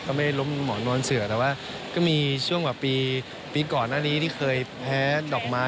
ไม่ล้มหมอนวลเสือแต่ว่าก็มีช่วงแบบปีก่อนหน้านี้ที่เคยแพ้ดอกไม้